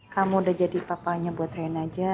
kamu udah jadi papanya buat rein aja